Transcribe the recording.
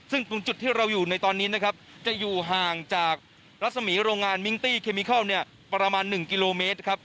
ซึ่งตรงจุดที่เราอยู่ในตอนนี้นะครับจะอยู่ห่างจากรัศมีโรงงานมิงตี้เคมิคอลเนี่ยประมาณ๑กิโลเมตรครับ